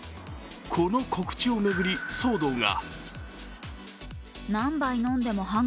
この告知を巡り、騒動が。